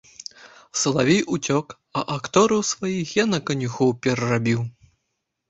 Салавей уцёк, а актораў сваіх я на канюхоў перарабіў.